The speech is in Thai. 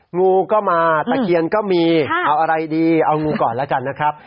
งูก็มาตะเคียนก็มีเอาอะไรดีเอางูก่อนแล้วกันนะครับ